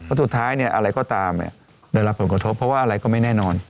เพราะสุดท้ายเนี่ยอะไรก็ตามได้รับผลกระทบเพราะว่าอะไรก็ไม่แน่นอน